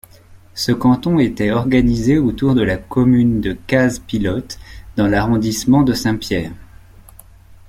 Ce canton était organisé autour de la commune de Case-Pilote dans l'arrondissement de Saint-Pierre.